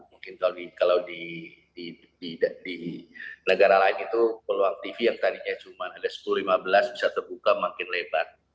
mungkin kalau di negara lain itu peluang tv yang tadinya cuma ada sepuluh lima belas bisa terbuka makin lebar